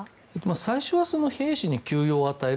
最初は兵士に休養を与える。